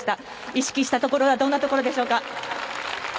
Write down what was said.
意識したところはどんなところでしょうか。